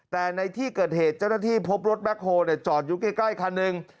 แต่ในที่เกิดเหตุเจ้าหน้าที่พบรถแคคโฮลจอดอยู่ใกล้คันหนึ่ง